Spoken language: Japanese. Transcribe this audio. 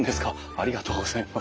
ありがとうございます。